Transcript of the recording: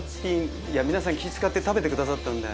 皆さん気ぃ使って食べてくださったんで。